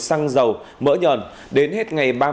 xăng dầu mỡ nhờn đến hết ngày